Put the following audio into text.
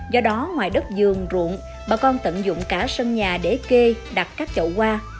do đó ngoài đất dường ruộng bà con tận dụng cả sân nhà để kê đặt các chậu hoa